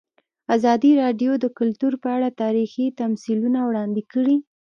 ازادي راډیو د کلتور په اړه تاریخي تمثیلونه وړاندې کړي.